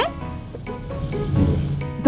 ngejar di sini ya